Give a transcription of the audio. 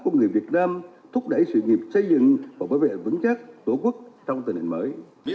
của người việt nam thúc đẩy sự nghiệp xây dựng và bảo vệ vững chắc tổ quốc trong tình hình mới